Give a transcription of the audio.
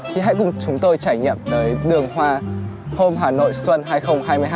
thì hãy cùng chúng tôi trải nghiệm tới đường hoa hôm hà nội xuân hai nghìn hai mươi hai